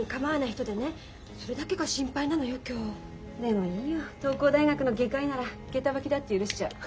でもいいよ東光大学の外科医なら下駄履きだって許しちゃう。